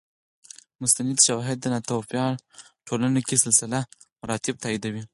مستند شواهد د ناتوفیا ټولنه کې سلسله مراتب تاییدوي